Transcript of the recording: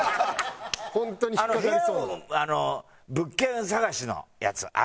部屋をあの物件探しのやつ